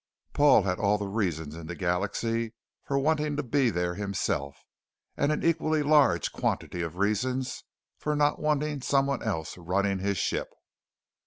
Paul had all the reason in the galaxy for wanting to be there himself, and an equally large quantity of reasons for not wanting someone else running his ship.